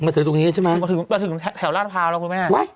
ถึงตรงนี้ใช่ไหมมาถึงแถวราชพร้าวแล้วคุณแม่